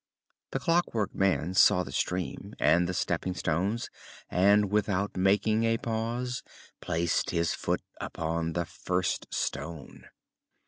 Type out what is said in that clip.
The Clockwork Man saw the stream and the stepping stones and, without making a pause, placed his foot upon the first stone.